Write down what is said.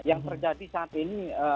yang terjadi saat ini